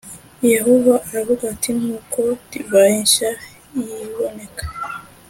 Yehova aravuga ati nk uko divayi nshya y iboneka